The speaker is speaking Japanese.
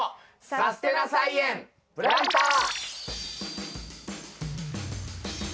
「さすてな菜園プランター」。